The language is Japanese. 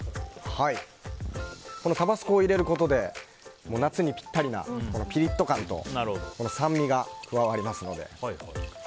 タバスコを入れることで夏にぴったりなピリッと感と酸味が加わります。